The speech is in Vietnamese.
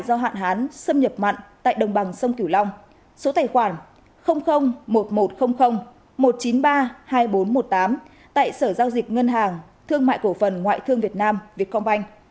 tài khoản tiếp nhận ủng hộ đồng bào bị thiệt hại do hạn hán xâm nhập mặn tại đồng bằng sông cửu long số tài khoản một nghìn một trăm linh một trăm chín mươi ba hai nghìn bốn trăm một mươi tám tại sở giao dịch ngân hàng thương mại cổ phần ngoại thương việt nam việt công anh